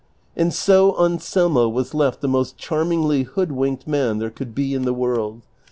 And so Anselmo was left the most charmingly hoodwinked man there could be in the world.